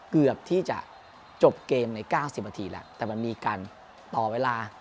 เกือบที่จะจบเกมใน๙๐นาทีแล้วแต่มันมีการต่อเวลา